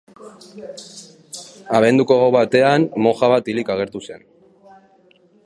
Abenduko gau batean, moja bat hilik agertu zen.